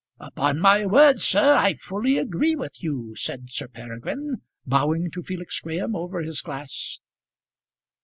"Upon my word, sir, I fully agree with you," said Sir Peregrine, bowing to Felix Graham over his glass.